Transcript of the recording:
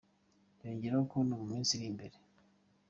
Yongeyeho ko mu minsi iri imbere